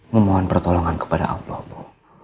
memohon pertolongan kepada allah